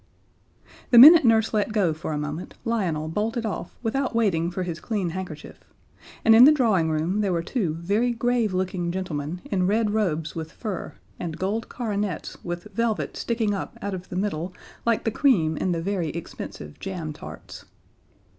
The minute Nurse let go for a moment Lionel bolted off without waiting for his clean handkerchief, and in the drawing room there were two very grave looking gentlemen in red robes with fur, and gold coronets with velvet sticking up out of the middle like the cream in the very expensive jam tarts.